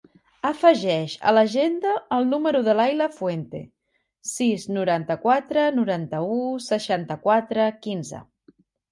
Afegeix a l'agenda el número de l'Ayla Fuente: sis, noranta-quatre, noranta-u, seixanta-quatre, quinze.